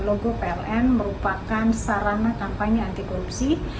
logo pln merupakan sarana kampanye anti korupsi